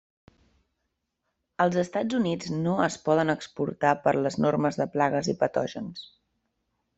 Als Estats Units no es poden exportar per les normes de plagues i patògens.